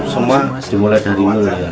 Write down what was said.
semua bisa terjadi